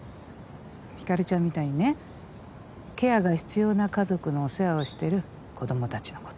ひかるちゃんみたいにねケアが必要な家族のお世話をしてる子供たちのこと。